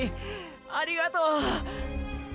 ありがとう。